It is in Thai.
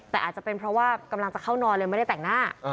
แต่อาจจะเป็นเพราะว่ากำลังจะเข้านอนเลยไม่ได้แต่งหน้า